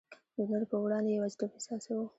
د نورو په وړاندي یوازیتوب احساسوو.